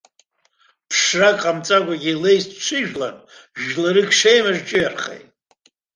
Ԥшрак ҟамҵакәагьы илаицҽыжәлан, жәларык шеимаз рҿыҩархеит.